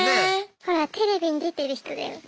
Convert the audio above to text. ほらテレビに出てる人だよ。